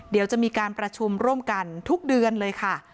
เดี๋ยวจะมีการประชุมร่วมกันทุกเดือนเลยค่ะ